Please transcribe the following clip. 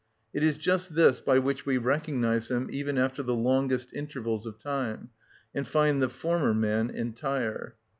It is just this by which we recognise him even after the longest intervals of time, and find the former man entire.